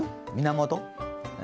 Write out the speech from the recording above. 源？